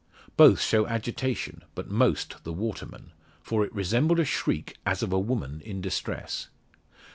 Both show agitation, but most the waterman; for it resembled a shriek, as of a woman in distress.